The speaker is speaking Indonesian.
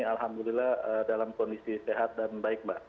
alhamdulillah dalam kondisi sehat dan baik mbak